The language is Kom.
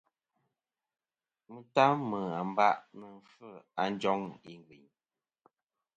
Mɨtam mɨ amba ni-a vfɨ a njoŋ igvɨyn.